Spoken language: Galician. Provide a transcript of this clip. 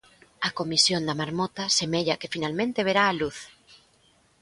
A comisión da marmota semella que finalmente verá a luz.